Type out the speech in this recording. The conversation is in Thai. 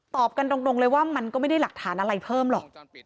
กันตรงเลยว่ามันก็ไม่ได้หลักฐานอะไรเพิ่มหรอก